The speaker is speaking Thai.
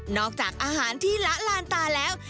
จากอาหารที่ละลานตาแล้ว